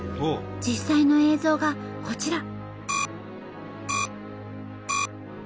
実際の映像がこちら。